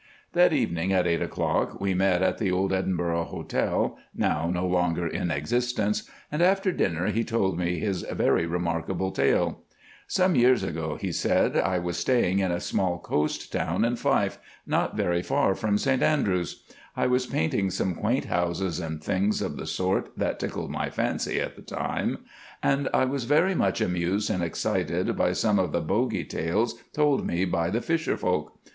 That evening at eight o'clock we met at the old Edinburgh Hotel (now no longer in existence), and after dinner he told me his very remarkable tale. "Some years ago," he said, "I was staying in a small coast town in Fife, not very far from St Andrews. I was painting some quaint houses and things of the sort that tickled my fancy at the time, and I was very much amused and excited by some of the bogie tales told me by the fisher folk.